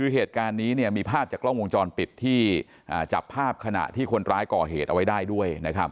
คือเหตุการณ์นี้มีภาพจากกล้องวงจรปิดที่จับภาพขณะที่คนร้ายก่อเหตุเอาไว้ได้ด้วยนะครับ